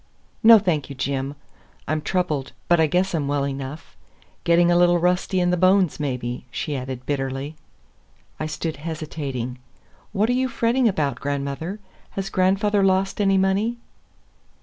"No, thank you, Jim. I'm troubled, but I guess I'm well enough. Getting a little rusty in the bones, maybe," she added bitterly. I stood hesitating. "What are you fretting about, grandmother? Has grandfather lost any money?"